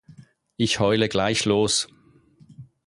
Ich heule gleich los.